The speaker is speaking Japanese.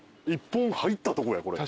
１本入ったとこやこれ。